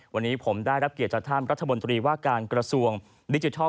วันนี้ผมได้รับเกียรติจากท่านรัฐมนตรีว่าการกระทรวงดิจิทัล